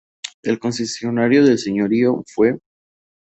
El concesionario del señorío fue